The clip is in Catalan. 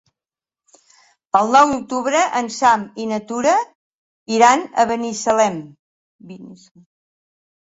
El nou d'octubre en Sam i na Tura iran a Binissalem.